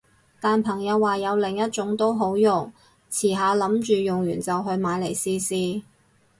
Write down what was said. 但朋友話有另一種都好用，遲下諗住用完就去買嚟試試